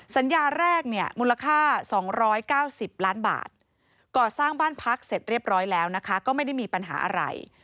สัญญาแรกเนี่ยมูลค่า๒๙๐ล้านบาทก่อสร้างบ้านพักเสร็จเรียบร้อยแล้วนะคะก็ไม่ได้มีปัญหาอะไร